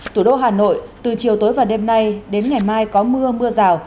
tủ đô hà nội từ chiều tối và đêm nay đến ngày mai có mưa rào